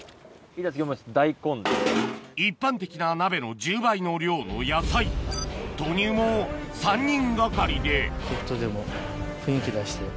一般的な鍋の１０倍の量の野菜投入も３人がかりでちょっとでも雰囲気出して。